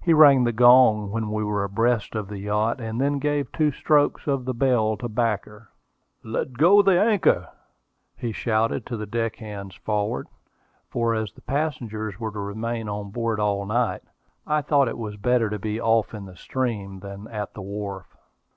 He rang the gong when we were abreast of the yacht, and then gave two strokes of the bell to back her. "Let go the anchor!" he shouted to the deckhands forward, for as the passengers were to remain on board all night, I thought it was better to be off in the stream than at the wharf.